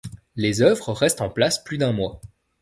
Les œuvres restent en place plus d'un mois.